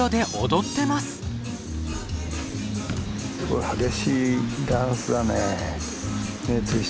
これ激しいダンスだねえ。